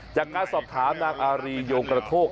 จากการสอบถามนางอารีโยงกระโทก